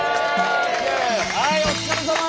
はいお疲れさま。